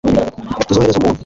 tuzohereza umuntu